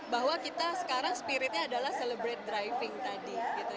bahwa kita sekarang spiritnya adalah celebrate driving tadi